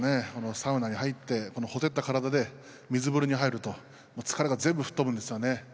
サウナに入ってこのほてった体で水風呂に入疲れが全部吹っ飛ぶんですわね。